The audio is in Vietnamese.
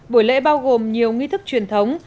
buổi lễ bao gồm nhiều nghi thức truyền thống